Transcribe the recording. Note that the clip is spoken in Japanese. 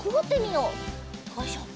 よいしょ。